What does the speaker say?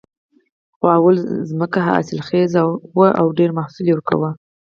خو لومړۍ ځمکه حاصلخیزه وه او ډېر محصول ورکوي